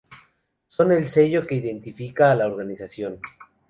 Son el sello que identifica a la organización.